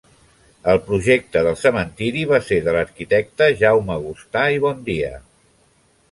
El projecte del cementiri va ser de l'arquitecte Jaume Gustà i Bondia.